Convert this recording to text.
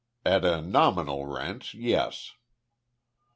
"At a nominal rent, yes."